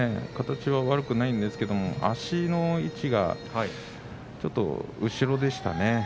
形は悪くないんですが足の位置がちょっと後ろでしたね。